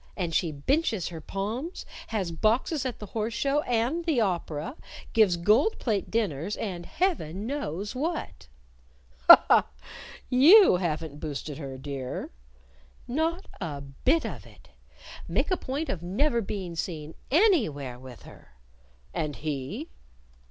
And she benches her Poms; has boxes at the Horse Show and the Opera; gives gold plate dinners, and Heaven knows what!" "Ha! ha! You haven't boosted her, dear?" "Not a bit of it! Make a point of never being seen _any_where with her." "And he?"